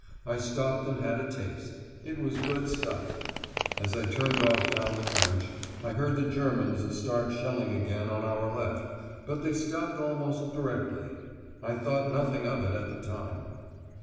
I stopped and had a taste. It was good stuff. As I turned off down the trench, I heard the Germans start shelling again on our left, but they stopped almost directly. I thought nothing of it at the time.